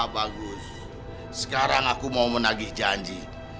bagus sekarang aku mau menagih janji